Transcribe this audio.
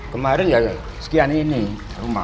kemarin ya sekian ini rumah